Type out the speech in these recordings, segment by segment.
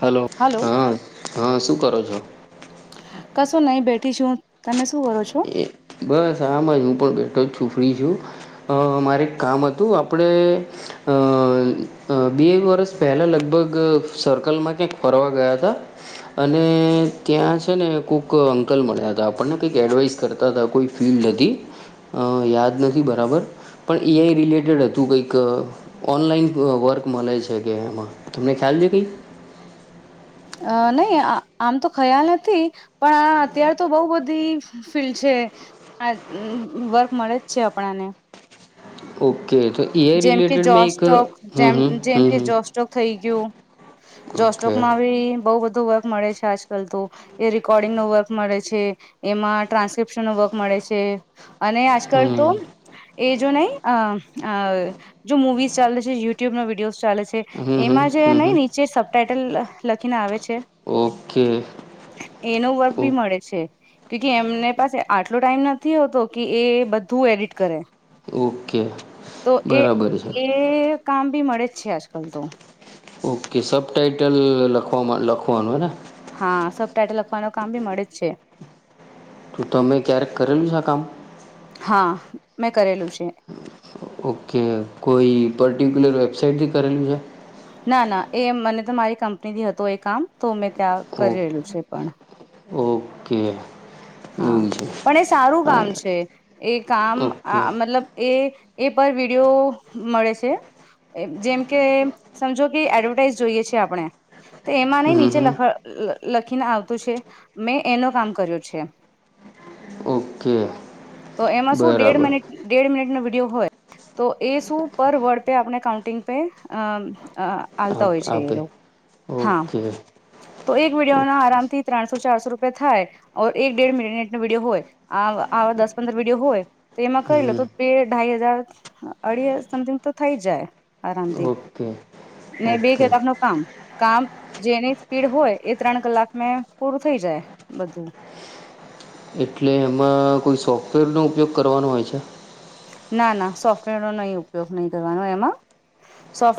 Hello હઅ હ અ શું કરો છો? કશું નહી બેઠી શું તમે શ એ બસ આમ જ હું પણ બેઠો તું ફ્રી છું અ મારે એક કામ હતું આપણે અ અ બે વર્ષ પહેલાં લગભગ સર્કલમાં ક્યાંક ફરવા ગયા તા અને ત્યાં છે ને કોક અંકલ મળ્યા હતા આપણને કંઈક એડવાઈસ કરતા તા કોઈ ફિલ્ડ હતી. અ યાદ નથી બરાબર. પણ એ. આઈ. રિલેટેડ હતું કઈક ઓનલાઈન વર્ક મળે છે કે એમાં તમને ખ્યાલ લે કઈ. અ નહી આ આમ તો ખ્યાલ નથી પણ આ અત્યાર તો બહુ બધી ફિ ફિલ્ડ છે. આ અ અ વર્ક મળે જ છે આપણાને. ઓકે તો એ. આઈ. જેમ કે રિલેટેડ મેં એક જોસ્ટોક હ હ હ હ. કેવું જોસ્ટોકમાં આવી બઉ બધ ધુ વર્ક મળે છે આજકાલ તો એ રકોર્ડિંગ નો વર્ક મળે છે એમાં ટ્રાન્સ્ક્રિપ્શન નો વર્ક મળે અને આજકાલ હમ તો એ જો નઈ આ અ જો મુવીઝ ચાલે છે યુટ્યુબનો વિડીયોઝ ચાલે છે હમ હમ એમાં જે હમ હમ નહી નીચે સબ ટાઈટલ લખીને આવે છે, ઓકે એનો વર્ક ઓ બી મળે છે. કુકે એમને પાસે આટલો ટાઈમ નથી હોતો કે એ બધું એડિટ કરે. ઓકે. તો એ બરાબર છે એ કામ બી મળે જ છે આજકાલ તો. ઓકે સબ ટાાઈટલ લખવામાં લખવાનું હેને. હા સબટાઇટલ લખવાનું કામ બી મળે જ છે. તો તમે ક્યારેક કરેલું છે આ કામ. હા મેં કરેલું છે. ઓકે કોઈ પર્ટિક્યુલર વેબસાાઈટ થી કરેલું છે. ના ના એ મને તો મારી કંપનીથી હતું એ કામ તો મેં ત્યાં ઓ કરેલું છે પણ. ઓકે. હા એવું છે પણ એ સારું હા કામ છે એ કામ આ ઓકે મતલબ એ. એ પર વિડીયો મળે છે. એ જેમ કે સમજો કે એડવર્ટાઈઝ જોઈએ છે આપણે. તો એમાંને હમ નીચે હમ લખ લખીને આવતું છે મેં એનું કામ કર્યું છે ઓકે તો એમાં શું દે બરાબર મિનિટ દે મિનિટ વિડીયો હોય તો એ શું પર વર્ડ પે આપણે કાઉન્ટિંગ પે અ આવતા આપ હોય છે એ આપે લોકો હા ઓકે તો એક વિડીયોના આરામથી ત્રણ ચારસો રૂપિયા થાય એક ડેઢ મિનાટ ન વિીડીિયો હોય આ આવા દસ પંદર વિડીયો હોય તો એમાં કરી લો તો બેઢાઈ હજાર અઢી સમથિંગ તો થઈ જાય આરામથી ઓકે ને બે ઓકે કલાબ ન કામ કામ જેને પીડ હોય એ ત્રણ કલાકં પૂરું થઈ જાય બધું એટલે એમાં કોઈ સોફ્ટવેરનો ઉપયોગ કરવાનો હોય છે ના ના સોફ્ટવેર નો નહી ઉપયોગ નહીં કરવાનો એમાં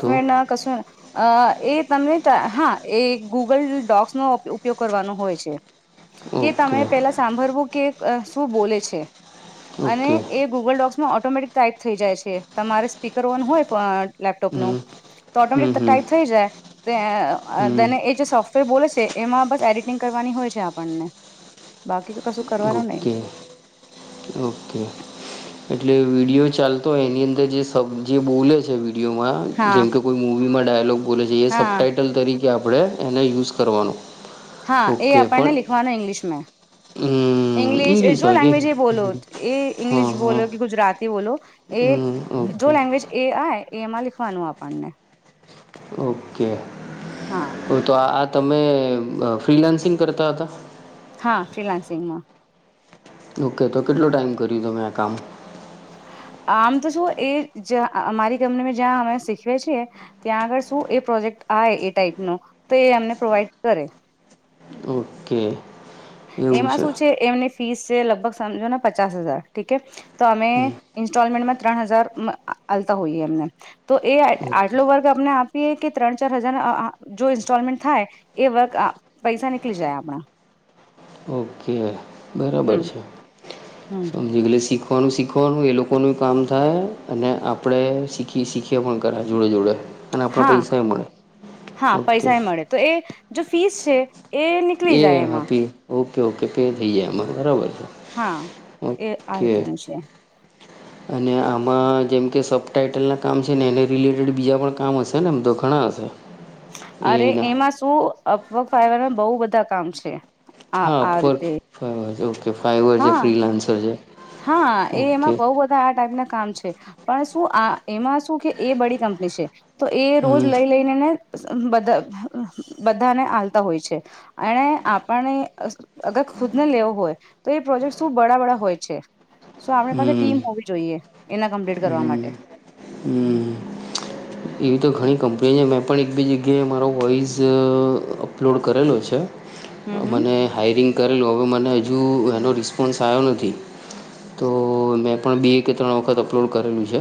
તો ના કશુંને અ એ તમને હા એ ગૂગલ ડોક્સનો ઉપયોગ કરવાનો હોય છે. કે તમે ઓકે પેલા સાંભળવું કે શું બોલે છે અને ઓકે એ ગૂગલ ડોક્સ ઓટોમેટિક ટાઈપ થઈ જાય છે તમારે સ્પીકર ઓન હોય ફો અ લેપટોપનું હમ તો હમ ઓટોમેટિક હમ ટાઈપ થઈ જાય તો અ હમ દેને એ છે સોફ્ટ બોલે છે એમાં બસ એડિટિંગ કરવાની હોય છે આપણને. બાકી તો કશું કરવાનું નઈ. ઓકે ઓકે એટલે વિડીયો ચાલતો હોય એની અંદર જે સબ જે બોલે છે. વિડયોમાં હા જેમકે કોઈ મુવીમાં ડાયલોગ બોલે છે એ હા સબટાઈટલ તરી કે આપણે એને યુઝ કરવાનો. હા એ ઓકે આપણને પણ લિખવાનો ઇંગ્લિશમાં હમ ઇંગ્લિશ જો હોય કે લેંગ્વેજ એ બોલો એ હા ઇંગ્લિશ બોલો હા કે ગુજરાતી બોલો એ હમ જો ઓકે લેંગ્વેજ એ આય એમાં લખવાનું આપણને ઓકે હા ઓ તો આ તમે ફ્રીલાન્સિંગ કરતા હતા હા ફ્રીલાન્સિંગ માં ઓકે તો કેટલોું ટાઈમ કર્યું તમે આ કામ આમ તો શું એ જ અમારી કંપની જ્યાં અમે શીખવે છીએ ત્યાં આગળ શું એ પ્રોજેક્ટ એ ટાઈપ નો તો એ અમને પ્રોવાઈડ કરે ઓકે એમાં શું છે એમને ફીસ છે લગભગ સમજો ને પચાસ હજાર ઠી તો અમે ઇન્સ્ટોલમેન્ટમાં ત્રણ હજારતા હોઈએ એમ તો એ ઓકે આટલો વર્ગ આપને આપીએ કે ત્રણ ચાર હજાર જો ઇન્સ્ટોલમેન્ટ થાય એ વર્ પૈસા નીકળી જાય આપણા ઓકે બરાબર હમ છે હમ જેગલે શીખવાનું શીખવાનું એ લોકોનું કામ થાય અને આપણે શીખી શીખીએ પણ કરાય છે જુડે જુડે હા હા ઓકે પૈસા એ મળે તો એ જો ફીસ છે એ નીકળી એ જાય હ એમાં પી ઓકે ઓકે પે થઈ જાય એમાં બરાબર છે હા એ આ ઓકે રીતેનું છે [inaudible] અને આમાં જેમ કે સબ ટાાઈટલનાં કામ છે ને એને રિલેટેડ બીજા પણ કામ હશે ને આમ તો ઘણાં હશે અરે એઆઈના એમાં શું અવગ ફવાના બહુ બધા કામ છે આ હા આ ફોર રીતે ફ છે ઓકે ફાઈવર છે હા ફ્રીલાન્સર છે હા એ ઓકે એમાં બઉ બધા આ ટાઈપ ના કામ છે પણ શું આ એમાં શું કે એ બડી કંપની છે તો એ રોજ હમ લઈ લઈને ને બધા બધાને આલતા હોય છે. એને આપને અગર ખુદ ને લેવો હોય તો એ પ્રોજેક્ટ શું બડાબળા હોય. આપણી પાસે હમ ટીમ હોવી જોઈએ એના કમ્પ્લેટ કરવા હમ માટે. [inaudible] એવી તો ઘણી કંપની છે. મેં પણ એક બી જગ્યાએ મારો વોઈઝ અપલોડ કરેલો છે. હમ હમ મને હાઈરિંગ કરેલું હવે મને હજુ એનો રિસ્પોન્સ આવ્યો નથી તો મેં પણ બે કે ત્રણ વખત અપલોડ કરેલું છે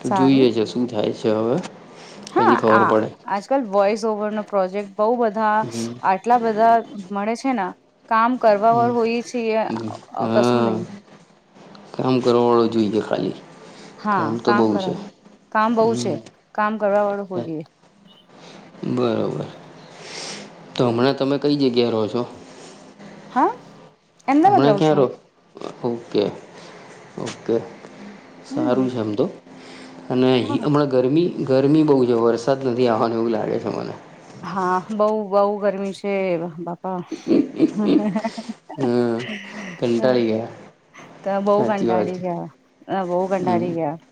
તો સારું જોઈએ છે શું થાય છે છે હવે હા પછી ખબર આ પડે આજકાલ વોઈસ તો વાળના પ્રોજેક્ટ બઉ બધા હમ આટલા બધા મળે છે ના કામ હમ કરવાવાળું કોઈ છીએ હમ કશું હા નઈ કામ કરવા વાળો જોઈએ ખાલી હા તો કામ બહુ કર છે કામ બહુ હમ છે. કામ કરવા વાળું કોઈ [unintelligible] બરોબર. તો હમણાં તમે કઈ જગ્યાએ રહો છો? હા અમદાવાદ હમણાં રવુ ક્યાં છું. રહો ઓકે ઓકે હમ સારું છે આમ તો. અને હા હમણાં ગરમી ગરમી બહુ છે. વરસાદ નથી આવવાનું એવું લાગે છે મને. હા બઉ બઉ ગરમી છે બાપા. કાંટાળી ગયા. તો બઉ સાચી વાત કંટાળી છે ગયા અ બઉ હમ કંટાળી ગયા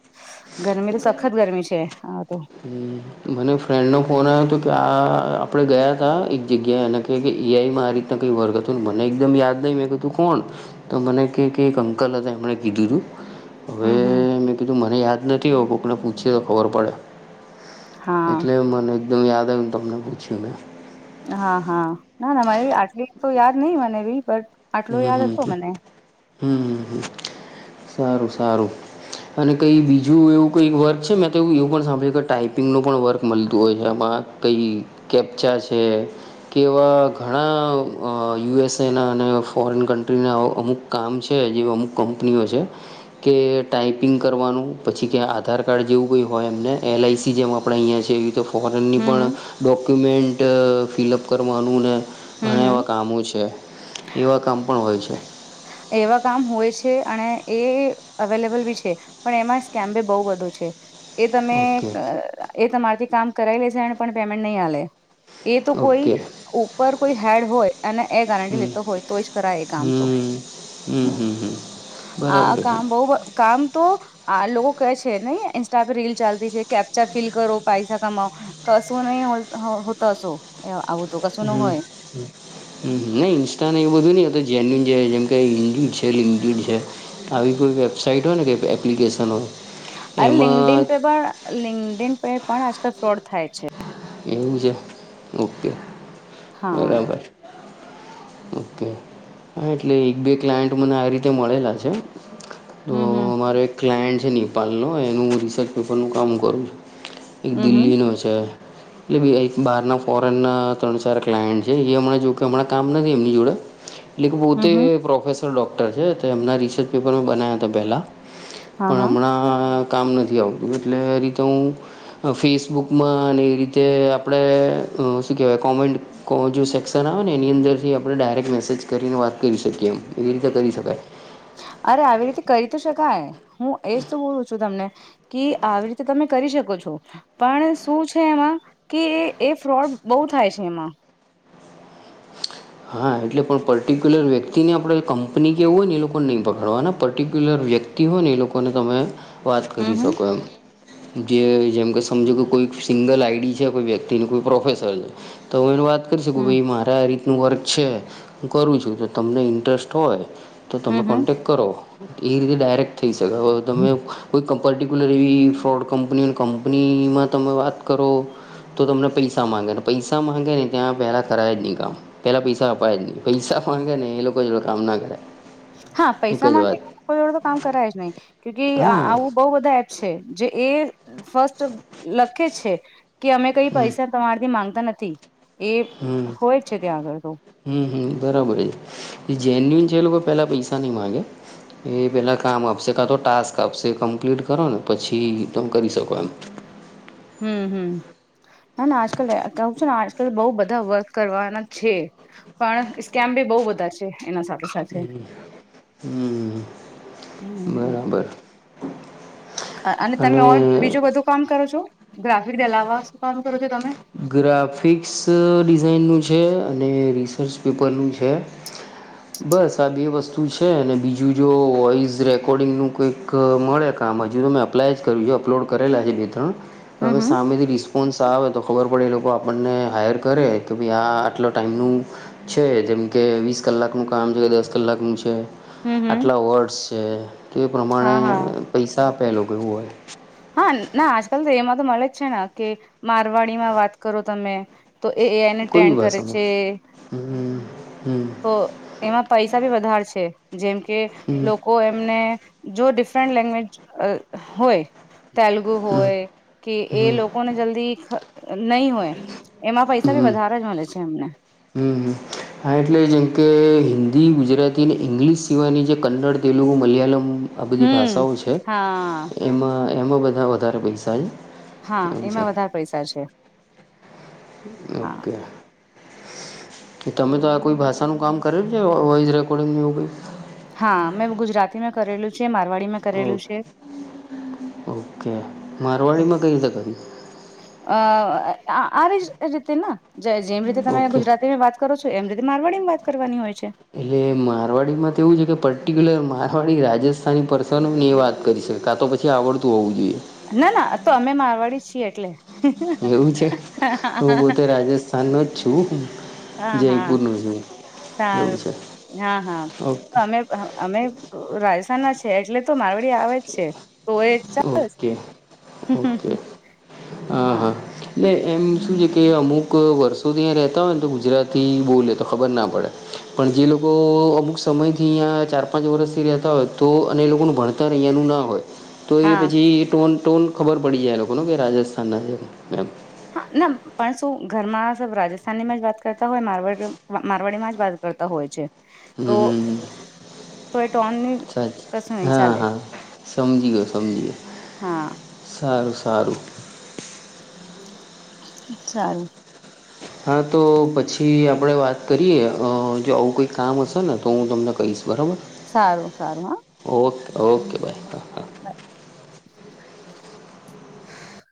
ગરમી તો સખત ગરમી છે હા તો. હમ મને ફ્રેન્ડનો ફોન આવ્યો હતો કે આ આપડે ગયા હતા એક જગ્યાએ એને કે કે ઈઆઈ માં આ રીતના કઈ વર્ગ હતું મને એકદમ યાદ નહી મેં કધું કોણ તો મને કે એક અંકલ હતા એમણે કીધું તું. હવે હમ હમ મેં કીધું મને યાદ નથી આવ કોકને પૂછી તો ખબર પડે. હા એટલે મને એકદમ યાદ આવને તમને પૂછ્યું મેં હા હા ના ના મને આટલી તો યાદ નહી મને બી પર આટલો યાદ હતો મને હમ્મ હમ્મ હમ્મ સારું સારું. અને કઈ બીજું એવું કઈ વર્ક છે, મેં તોવું એવું પણ સાંભળ્યું કે ટાઈપિંગ ન પણ વર્ક મળતું હોય છે આમાં અ કંઈ કેપચા છે કે એવા ઘણા યુએસએના અને ફોરેન કન્ટ્રીના અમુક કામ છે, જેવી અમુક કંપનીઓ છે કે ટાઈપિંગ કરવાનું પછી કે આધાર કાર્ડ જેવું કઈ હોય એમને એલઆઈસી જેમ આપે અહિયા છે એવી તો ફોરેનની હમ પણ હમ ડોક્યુમેન્ટ ફિલઅપ કરવાનું ને હમ ઘણા હમ એવા કામો છે એવા કામ પણ હોય છે. એવા કામ હોય છે અને એ અવેલેબલ બી છે પણ એમાં સ્કેમ બી બહુ બધો છે. એ તમે ઓકે એ તમારીથી કામ કરાવી લેશે એને પણ પેમેન્ટ નહીં હાલે. એ તો કોઈ ઓકે ઉપર કોઈ હેડ હોય અને એ ગારંટી હમ લેતો હોય તો એ જ કરાય. આમ તો હમ હમ હમ હમ [inaudible] આ બરાબર છે કામ બઉ [unintelligible] કામ તો આ લોકો કહે છે. નઈ ઇન્સ્ટા પે રીલ ચાલતી છે કેપ્ચા ફિલ કરો પૈસા કમાઓ કશું નહી ઓલ તો હો તો સો હમ્મ હમ્મ નઈ ઇન્સ્ટા ને એવું બધું નઈ હતું. જેન્યુન જે જેમ કે હિન્દી છે લિકિંડ છે આવી કોઈ વેબસાાઈટ હોય ને કેઈ એપ્લિકેશન હોય અરે લિંડીન એમાં પે પણ લિંડિન પે પણ આજકાલ ફ્રોડ થાય છે એવું છે ઓકે હા બરાબર. ઓકે હા એટલે એક બે ક્લાયન્ટ મને આ રીતે મળેલા છે તો હમ હમ મારો એક ક્લાયન્ટ છે નેપાલ નો એનું રિસર્ચ પેપર નું કામ કરું છું એક હમ હમ દિલ્હીનો છે એબી એક બહારના ફોરેનના ત્રણ ચાર ક્લાયન્ટ છે એ હમણા જો કે હમણાં કામ નથી એમની જોડે એટલે કે હમ પોતે હમ પ્રોફેસર ડોક્ટર છે એમના રિસર્ચ પેપર બનાયા હતા પેલા હા પણ હા હમણાં કામ નથી આવતું એટલે રીતે હું ફેસબુકમાં એ એવી રીતે આપણે શું કેવાય કોમેન્ટ સેક્શન આવે ને એની અંદર થી આપણે ડાયરેક્ટ મેસેજ કરીને વાત કરી શકીએ એમ એવી રીતે કરી શકાય અરે આવી રીતે કરી તો શકાય હું એજ બોલું છું તમને કે આવી રીતે તમે કરી શકો છો પણ શું છે એમાં કે એ ફ્રોડ બોવ થાય છે એમાં હા એટલે પણ પર્ટિક્યુલર વ્યક્તિને આપડે કંપની કેવું હોય ને એ લોકોને નહી પકડવાનાને પર્ટિક્યુલર વ્યક્તિ હોય ને એ લોકોને તમે વાત કરી હમ હમ શકો એમ જે જેમકે સમજો કે કોઈ સિંગલ આઈડી છે, કોઈ વ્યક્તિની કોઈ પ્રોફેસર છે, તો એ વાત કરી શકું હમ ભાઈ મારે આ રીતનું વર્ક છે, હું કરું છું તો તમને ઇન્ટરેસ્ટ હોય તો તમે હમ હમ કોન્ટેક કરો એ રીતે ડાયરેક્ટ થઈ શકે હવે તમે કોઈ પર્ટિક્યુલર એવી ફ્રોડ કંપની અને કંપનીમાં તમે વાત કરો તો તમને પૈસા માંગે પૈસા માંગે ને ત્યાં પેલા કરાય જ નહી કામ પેલા પૈસા અપાય જ નહી પૈસા માંગે ને એ લોકો કામ ના કરાય હા પૈસા એક જ વાત માંગેઈ જોડે તો કામ કરાય જ નહી કયુંકી હા આવું બહુ બધા એપ છે જે એ ફસ્ટ લખે છે કે અમે કઈ પૈસા તમારી થી માંગતા નથી એ હમ્મ હોય જ છે ત્યાં આગળ તો હમ્મ હમ્મ બરાબર એ એ જેન્યુન છે એ લોકો પહેલાં પૈસા નહીં માગે એ પહેલાં કામ આપશે કાં તો ટાસ્ક આપશે કમ્પ્લીટ કરો ને પછી તમે કરી શકો એમ [inaudible] હમ હમ ના ના આજકાલ કવ છું ને આજકાલ બોવ બધા વર્ક કરવાના છે, પણ સ્કેમ બી બોવ બધા છે, એના સાથ સાથે હમ. હમ. હમ હમ બરાબર. અને તમે ઓર બીજું બધું કામ કરો છો ગ્રાફિક દેલાવા શું કામ કરો છો તમે ગ્રાફિક્સ ડિઝાઇનનું છે, અને રિસર્ચ પેપરનું છે. બસ આ બે વસ્તુ છે, અને બીજું જો વોઈસ રેકોર્ડિંગનું કઈક મળે આમ હજુ તો મેં અપ્લાય જ કર્યું છે, અપલોડ કરેલા છે, બે ત્રણ હમ અવે હમ સામેથી રિસ્પોન્સ આવે તો ખબર પડે એ લોકો આપણને હાયર કરે કે ભાઈ આ આટલો ટાઈમનું છે, જેમકે વીસ કલાકનું કામ છે, કે દસ કલાકનું છે. હમ હમ આટલા વર્ડસ છે, કે એ પ્રમાણે હા હા પૈસા આપેલો કેવું હોય હા ના આજકાલ તો એમાં તો મળે જ છે ને, કે મારવાડીમાં વાત કરો તમે તો એ એઆઈને કોઈ બી ટ્રેન્ડ કરે ભાષામાં છે. હમ હમ તો એમાં પૈસા ભી વધારે છે. જેમ કે હમ લોકો એમને જો ડિફરન્ટ લેંગ્વેજ અ હોય તેલગુ હમ હોય કે હમ એ હમ લોકોને જલ્દી નહી હોય એમાં પૈસા ભી હમ વધારે જ મળે છે, એમને હમ હા એટલે જેમ કે હિ ન્દી ગુજરાતીને ઇંગ્લિશ સિવાયની જે કન્નડ, તેલુગુ, મલયાલમ આ બધી હમ ભાષાઓ છે, હા એમાં એમાં બધા વધારે પૈસા છે. હા એમ છે. એમાં વધારે પૈસા છે. હા ઓકે. તમે તો આ કોઈ ભાષાનું કામ કરેલુ છે, વોઈસ રેકોર્ડિંગ એવું કંઈ? હા મેં ગુજરાતીમાં કરેલું છે, માર વાળીમાં ઓ કરેલું છે. ઓકે. અ [unintelligible] મારવાડીમાં કઈ રીતે કર્યું? આ રી રીતેના જે જેમ રીતે તમે ઓકે. ગુજરાતીમાં વાત કરો છો, એમ રીતે મારવાડીમાં વાત કરવાની હોય છે. એટલે મારવાડીમાં તો એવું છે કે પર્ટિક્યુલર મારવાડી રાજસ સ્થાની પરર્સન ને એ વાત કરી શકે આ તો પછી આવડતું હોવું જોઈએ ના ના આતો અમે મારવાડી છીએ એટલે એવું છે, હું હા પોતે રાજસ્થાન નોજ છું. હા જયપુર ન્યૂઝની સારું હા હા ઓકે અમે અમે છે એટલે તો મારે આવે છે તો એ ચલે ઓકે ઓકે હા હા ન એમ શું છે કે અમુક વર્ષોથી ત્યાંયા રહેતા હોય ને તો ગુજરાતી બોલે તો ખબર ના પડે પણ પણ જે લોકો અમુક સમયથી અહીંયા ચાર પાંચ વર્ષથી રહેતા હોય તો અને એ લોકોનું ભણત ત અહીંયાનું ના હોય તો એ હા પછી એ ટોન ટોન ખબર પડી જાય એ લોકોનો કે રાજસ્થાનના છે મેમ હા ના પણ શું ઘરમાં સ રાજસ્થાનીમાં જ વાત કરતા હોય મારવાડી મારવાડીમાં જ વાત કર કરતા હોય છે. તો હમ તો એ ટોનની સાચ કશું નહી હા ચાલે હા સમજી ગયો સમજી ગયો હા સારું સારું સારું. હા તો પછી આપણે વાત કરીએ જો આવું કોઈ કામ હશેને તો હું તમને કહીશ બરાબર સારું સારું ઓકે ઓકે બાય હા બાય.